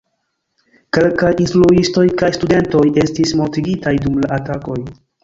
Kelkaj instruistoj kaj studentoj estis mortigitaj dum la atakoj.